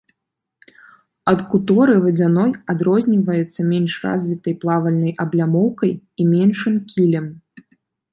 Ад куторы вадзяной адрозніваецца менш развітай плавальнай аблямоўкай і меншым кілем.